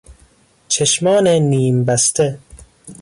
چشمان نیمبسته